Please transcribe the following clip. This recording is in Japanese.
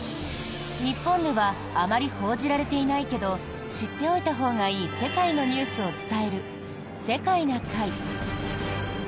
日本ではあまり報じられていないけど知っておいたほうがいい世界のニュースを伝える「世界な会」。